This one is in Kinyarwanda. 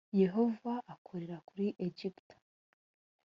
yehova akorera kuri egiputa